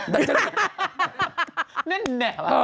นั่นแหละ